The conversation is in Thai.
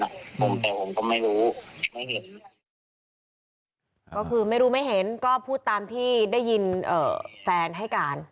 ก็คือไม่รู้ไม่เห็นก็พูดตามที่ได้ยินเอ่อแฟนให้การ